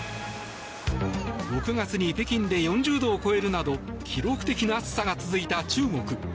６月に北京で４０度を超えるなど記録的な暑さが続いた中国。